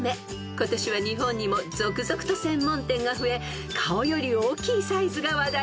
［今年は日本にも続々と専門店が増え顔より大きいサイズが話題となりました］